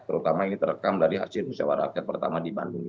terutama ini terekam dari hasil musyawarah rakyat pertama di bandung